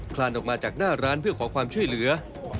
คลานออกมาจากหน้าร้านเพื่อขอความช่วยเหลือ